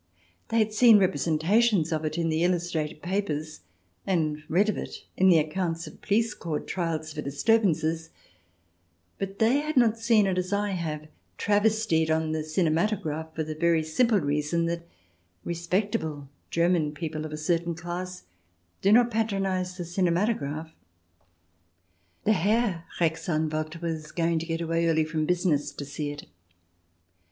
They had seen representations of it in the illustrated papers, and read of it in the accounts of police court trials for disturbances ; but they had not seen it, as I have, travestied on the cinematograph, for the very simple reason that respectable German people of a certain class do not patronize the cinematograph. The Herr Rechtsanwalt was going to get away early from business to see it.